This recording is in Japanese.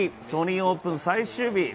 ソニーオープン最終日。